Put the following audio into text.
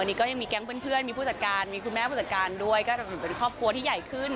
นี่ก็ยังมีแก๊งเพื่อนมีผู้จัดการมีคุณแม่ผู้จัดการด้วยก็เหมือนเป็นครอบครัวที่ใหญ่ขึ้น